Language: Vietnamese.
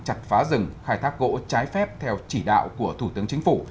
chặt phá rừng khai thác gỗ trái phép theo chỉ đạo của thủ tướng chính phủ